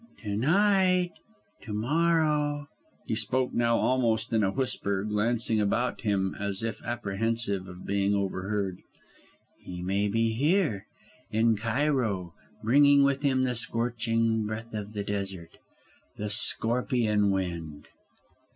"To night to morrow," he spoke now almost in a whisper, glancing about him as if apprehensive of being overheard "he may be here, in Cairo, bringing with him the scorching breath of the desert the scorpion wind!"